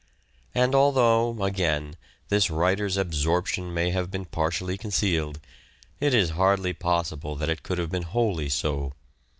And although, 8 H4 " SHAKESPEARE " IDENTIFIED again, this writer's absorption may have been partially concealed, it is hardly possible that it could have been wholly so.